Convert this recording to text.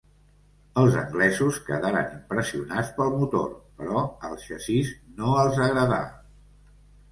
Els anglesos quedaren impressionats pel motor, però el xassís no els agradà.